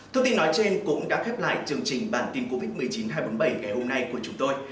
thông tin nói trên cũng đã khép lại chương trình bản tin covid một mươi chín hai trăm bốn mươi bảy ngày hôm nay của chúng tôi